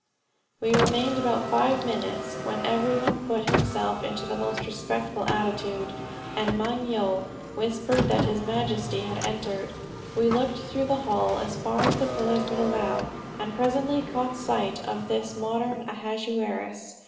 "We remained about five minutes, when every one put himself into the most respectful attitude, and Moung Yo whispered that his majesty had entered. We looked through the hall as far as the pillars would allow, and presently caught sight of this modern Ahasuerus.